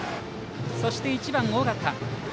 そして１番、緒方。